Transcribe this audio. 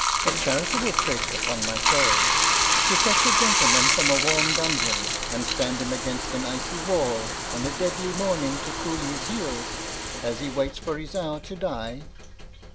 "A charitable trick, upon my soul, to fetch a gentleman from a warm dungeon and stand him against an icy wall on a deadly morning to cool his heels as he waits for his hour to die!